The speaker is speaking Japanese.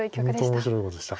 本当面白い碁でした。